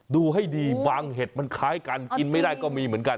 ดูให้ดีบางเห็ดมันคล้ายกันกินไม่ได้ก็มีเหมือนกัน